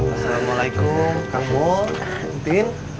assalamualaikum kamul entin